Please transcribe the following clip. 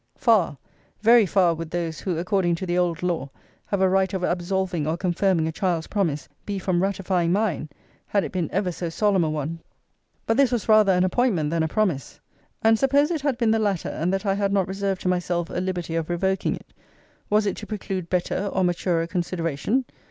Far, very far, would those, who, according to the old law, have a right of absolving or confirming a child's promise, be from ratifying mine, had it been ever so solemn a one.* But this was rather an appointment than a promise: and suppose it had been the latter; and that I had not reserved to myself a liberty of revoking it; was it to preclude better or maturer consideration?